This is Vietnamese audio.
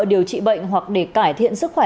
điều trị bệnh hoặc để cải thiện sức khỏe